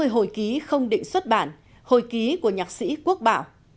hai mươi hồi ký không định xuất bản hồi ký của nhạc sĩ quốc bảo